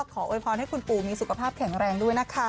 โวยพรให้คุณปู่มีสุขภาพแข็งแรงด้วยนะคะ